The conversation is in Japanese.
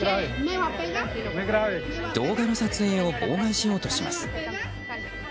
動画の撮影を妨害しようとします。